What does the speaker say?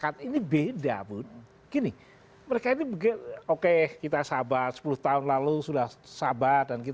terima kasih pak